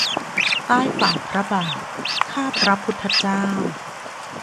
ใต้ฝ่าพระบาท ข้าพระพุทธเจ้า